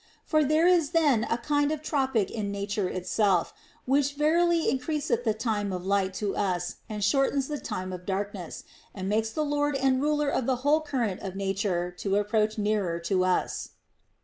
For there is then a kind of tropic in nature itself, which verily increaseth the time of light to us and shortens the time of darkness, and makes the Lord and Ruler of the whole current of nature to approach nearer to us.